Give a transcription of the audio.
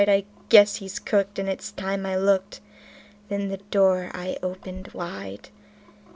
I guess he's cooked, and it's time I looked";. .. then the door I opened wide.